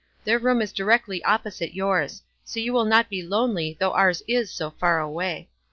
Their room is directly opposite yours ; so you will not be lonely, though ours is so far away.